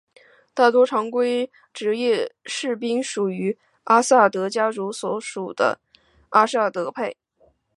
大多常规职业士兵属于阿萨德家族所属的阿拉维派。